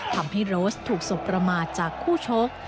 ทำให้โรสถูกสบประมาทจากคู่ชก